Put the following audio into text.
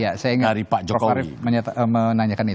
ya saya ingat prof arief menanyakan itu